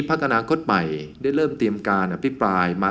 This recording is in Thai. พักอนาคตใหม่ได้เริ่มเตรียมการอภิปรายมา